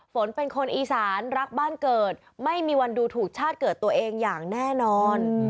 ฝนเป็นคนอีสานรักบ้านเกิดไม่มีวันดูถูกชาติเกิดตัวเองอย่างแน่นอน